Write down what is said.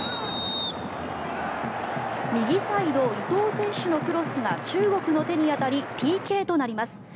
右サイド、伊東選手のクロスが中国の手に当たりＰＫとなります。